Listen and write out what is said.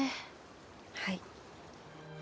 はい。